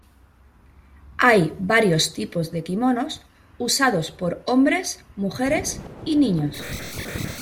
Hay varios tipos de kimonos usados por hombres, mujeres y niños.